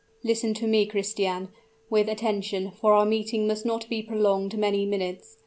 "Listen to me, Christian, with attention, for our meeting must not be prolonged many minutes.